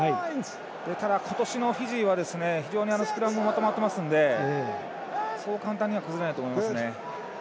ただ、今年のフィジーは非常にスクラムもまとまってますのでそう簡単には崩れないと思います。